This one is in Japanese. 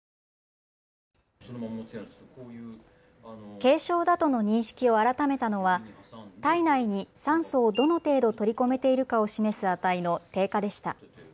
軽症だとの認識を改めたのは体内に酸素をどの程度取り込めているかを示す値の低下でした。